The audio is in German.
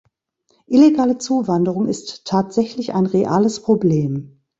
Illegale Zuwanderung ist tatsächlich ein reales Problem.